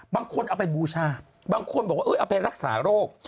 บางคนเอาไปบูชาบางคนบอกว่าเอาไปรักษาโรค